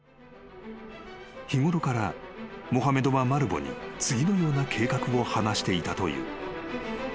［日ごろからモハメドはマルヴォに次のような計画を話していたという］